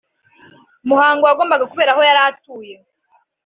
umuhango wagombaga kubera aho yari atuye